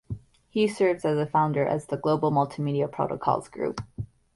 He serves as a founder at the Global Multimedia Protocols Group.